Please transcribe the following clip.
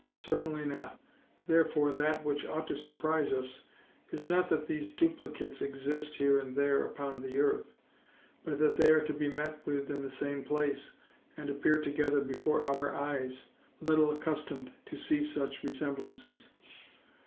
Certainly not; therefore that which ought to surprise us is not that these duplicates exist here and there upon the earth, but that they are to be met with in the same place, and appear together before our eyes, little accustomed to see such resemblances.